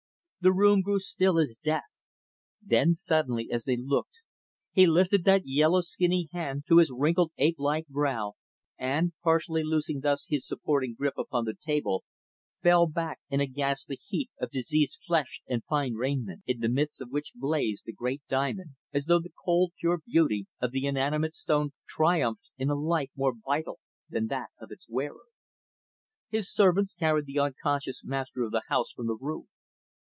The room grew still as death. Then, suddenly as they looked he lifted that yellow, skinny hand, to his wrinkled, ape like brow, and partially loosing, thus, his supporting grip upon the table fell back, in a ghastly heap of diseased flesh and fine raiment; in the midst of which blazed the great diamond as though the cold, pure beauty of the inanimate stone triumphed in a life more vital than that of its wearer. His servants carried the unconscious master of the house from the room.